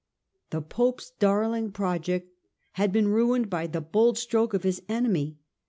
The Pope's darling project had been ruined by the bold stroke of his enemy.